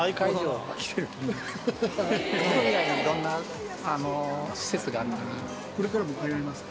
お風呂以外もいろんな施設があるこれからも通いますか？